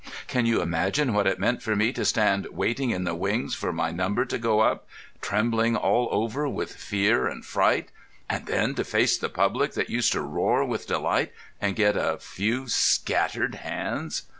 Can you imagine what it meant for me to stand waiting in the wings for my number to go up, trembling all over with fear and fright, and then to face the public that used to roar with delight, and get a few scattered hands?